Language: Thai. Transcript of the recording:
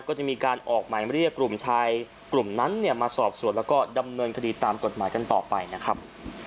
ก็จะมีการออกหมายเรียกกลุ่มชายกลุ่มนั้นเนี่ยมาสอบส่วนแล้วก็ดำเนินคดีตามกฎหมายกันต่อไปนะครับ